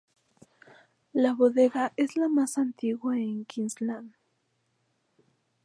La bodega es la más antigua en Queensland.